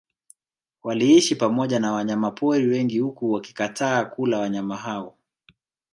Waliishi pamoja na wanyama pori wengi huku wakikataa kula wanyama hao